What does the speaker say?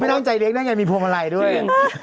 ไม่ตั้งใจเลี้ยงยังมีพวงมาลัยด้วย